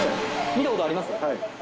見た事あります？